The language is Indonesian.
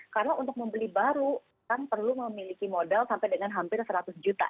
karena untuk membeli baru kan perlu memiliki modal sampai dengan hampir seratus juta